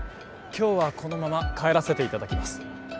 今日はこのまま帰らせていただきます